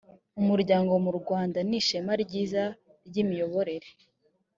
umuryango mu rwanda nishema ryiza ryimiyoborere